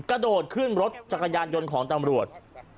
กระโดดขึ้นรถจักรยานยนต์ของตำรวจ